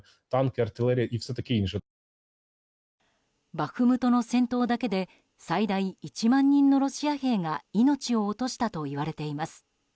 バフムトの戦闘だけで最大１万人のロシア兵が命を落としたといわれています。